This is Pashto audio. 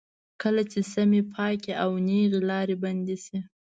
کله چې سمې، پاکې او نېغې لارې بندې شي.